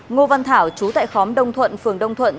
ngô văn thảo chú tại khóm đông thuận phường đông thuận